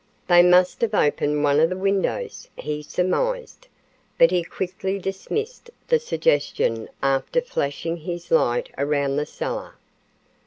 "They must have opened one of the windows," he surmised; but he quickly dismissed the suggestion after flashing his light around the cellar.